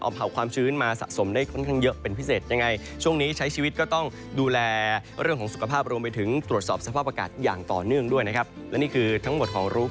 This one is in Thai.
สวัสดีครับ